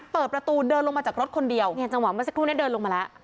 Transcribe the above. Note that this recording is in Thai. เปิดประตูเดินลงมาจากรถคนเดียวเนี่ยจังหวะเมื่อสักครู่นี้เดินลงมาแล้ว